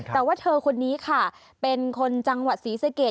แต่ว่าเธอคนนี้ค่ะเป็นคนจังหวัดศรีสะเกด